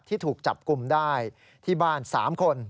ที่ถูกจับกลุ่มได้ที่บ้าน๓คน